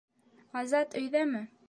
— Азат өйҙәме?